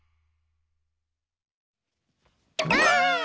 ばあっ！